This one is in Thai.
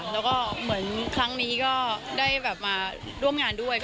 แล้วก็เหมือนครั้งนี้ก็ได้แบบมาร่วมงานด้วย